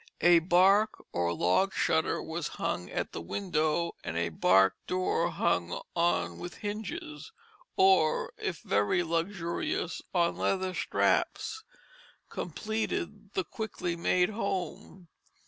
A bark or log shutter was hung at the window, and a bark door hung on withe hinges, or, if very luxurious, on leather straps, completed the quickly made home.